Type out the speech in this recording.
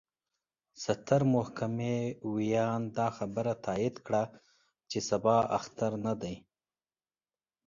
ستر محكمې وياند: دا خبره تايد کړه، چې سبا اختر نه دې.